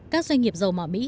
các doanh nghiệp dầu mỏ mỹ